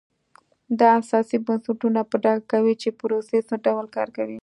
دا سیاسي بنسټونه په ډاګه کوي چې پروسې څه ډول کار کوي.